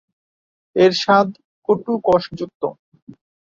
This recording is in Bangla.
এর স্বাদ কটু-কষযুক্ত।